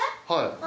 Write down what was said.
はい。